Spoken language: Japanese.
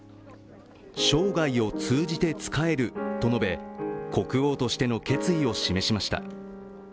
生涯を通じて仕えると述べ、国王としての決意を示しました。